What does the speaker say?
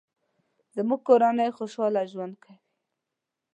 زموږ کورنۍ خوشحاله ژوند کوي